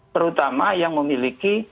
terutama yang memiliki